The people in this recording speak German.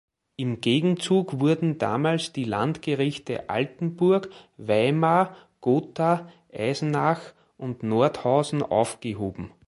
Im Gegenzug wurden damals die Landgerichte Altenburg, Weimar, Gotha, Eisenach und Nordhausen aufgehoben.